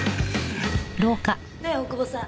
ねえ大久保さん。